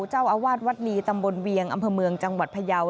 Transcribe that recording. เจ้าอาวาสวัดลีตำบลเวียงอำเภอเมืองจังหวัดพยาว